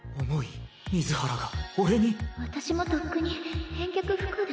私もとっくに返却不可で。